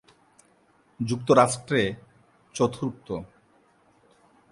যুক্তরাষ্ট্রে চতুর্থ।